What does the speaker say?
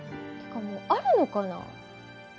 ってかもうあるのかな？